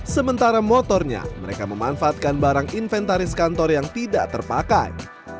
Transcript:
sementara motornya mereka memanfaatkan barang inventaris kantor yang tidak terpakai